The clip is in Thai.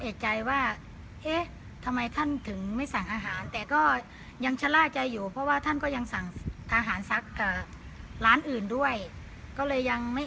เอกใจว่าเอ๊ะทำไมท่านถึงไม่สั่งอาหารแต่ก็ยังชะล่าใจอยู่เพราะว่าท่านก็ยังสั่งอาหารซักกับร้านอื่นด้วยก็เลยยังไม่